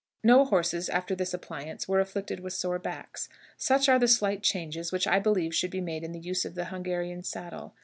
No horses, after this appliance, were afflicted with sore backs. Such are the slight changes which I believe should be made in the use of the Hungarian saddle.